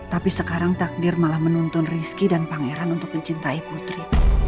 tapi sekarang takdir malah menuntun rizky dan pangeran untuk mencintai putri